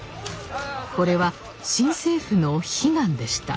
これは新政府の悲願でした。